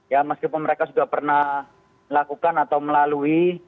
ya meskipun mereka sudah pernah melakukan atau melalui